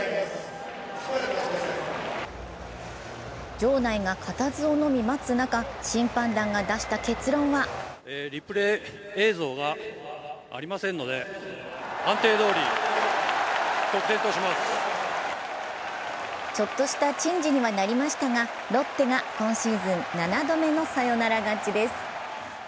場内がかたずをのみ待つ中、審判団が出した結論はちょっとした珍事にはなりましたがロッテが今シーズン７度目のサヨナラ勝ちです。